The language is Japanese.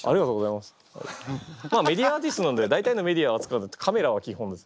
まあメディアアーティストなんで大体のメディアをあつかうカメラは基本です。